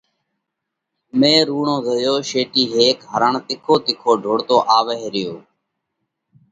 مئين رُوڙون زويو شيٽِي هيڪ هرڻ تِکو تِکو ڍوڙتو آوئه ريو۔